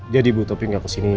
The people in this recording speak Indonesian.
jadi ibu topik gak kesini